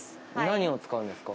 何を使うんですか？